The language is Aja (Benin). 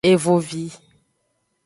Evovi.